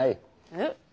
えっ。